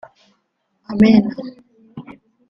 amena